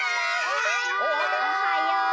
おはよう！